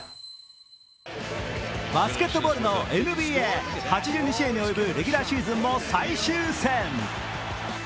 バスケットボールのＮＢＡ、８２試合に及ぶレギュラーシーズンも最終戦。